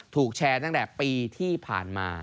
ถูกแชร์ตั้งแต่ปีที่ผ่านมา